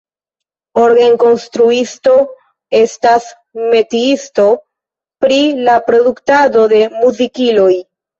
Orgenkonstruisto estas metiisto pri la produktado de muzikiloj.